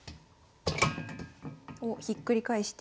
おっひっくり返して。